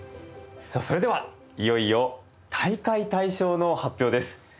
さあそれではいよいよ大会大賞の発表です。